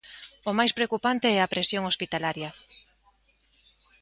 O máis preocupante é a presión hospitalaria.